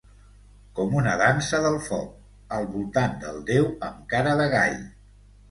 Com una dansa del foc, al voltant del déu amb cara de gall.